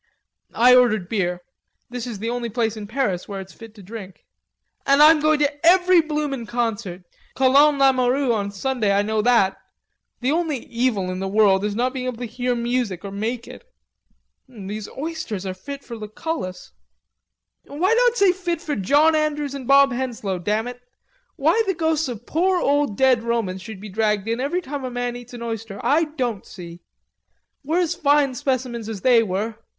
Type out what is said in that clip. I ordered beer. This is the only place in Paris where it's fit to drink." "And I'm going to every blooming concert...Colonne Lamoureux on Sunday, I know that.... The only evil in the world is not to be able to hear music or to make it.... These oysters are fit for Lucullus." "Why not say fit for John Andrews and Bob Henslowe, damn it?... Why the ghosts of poor old dead Romans should be dragged in every time a man eats an oyster, I don't see. We're as fine specimens as they were.